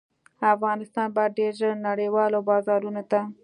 افغانستان به ډیر ژر نړیوالو بازارونو ته